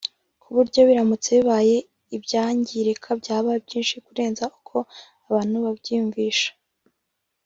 ku buryo biramutse bibaye ibyangirika byaba byinshi kurenza uko abantu babyiyumvisha